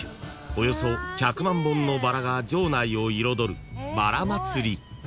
およそ１００万本のバラが場内を彩る］